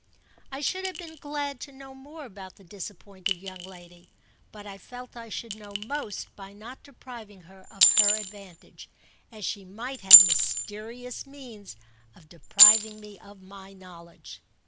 I should have been glad to know more about the disappointed young lady, but I felt I should know most by not depriving her of her advantage, as she might have mysterious means of depriving me of my knowledge.